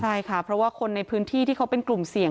ใช่ค่ะเพราะว่าคนในพื้นที่ที่เขาเป็นกลุ่มเสี่ยง